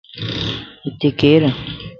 ھتي ڪير؟